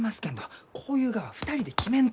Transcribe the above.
こういうがは２人で決めんと！